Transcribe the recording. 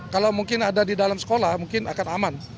kalau mungkin ada di dalam sekolah mungkin akan aman